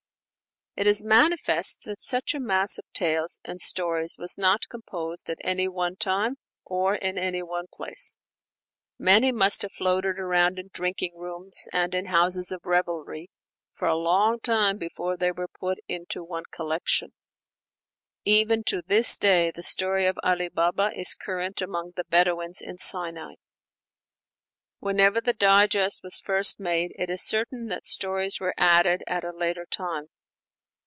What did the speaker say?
It is manifest that such a mass of tales and stories was not composed at any one time, or in any one place. Many must have floated around in drinking rooms and in houses of revelry for a long time before they were put into one collection. Even to this day the story of Ali Baba is current among the Bedouins in Sinai. Whenever the digest was first made, it is certain that stories were added at a later time.